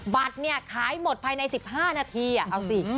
บัตรเนี่ยขายหมดภายใน๑๕นาทีเอาสิ